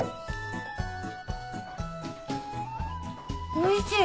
おいしい。